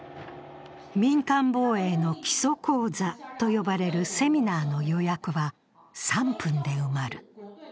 民間防衛の基礎講座と呼ばれるセミナーの予約は３分で埋まる。